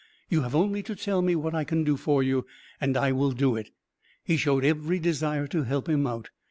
You have only to tell me what I can do for you, and I will do it." He showed every desire to help him out.